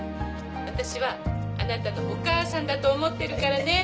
私はあなたのお母さんだと思ってるからね